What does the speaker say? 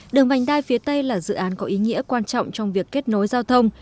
đường vành đai phía tây là dự án có ý nghĩa quan trọng trong việc kết nối giao thông